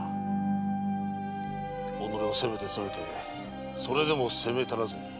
己を責めて責めてそれでも責め足らずに。